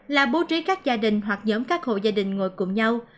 là bố trí các gia đình hoặc giống các hộ gia đình ngồi cùng nhau